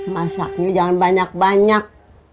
masaknya jangan banyak banyak